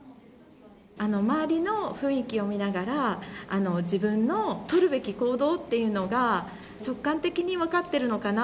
周りの雰囲気を見ながら、自分の取るべき行動っていうのが直感的に分かってるのかな。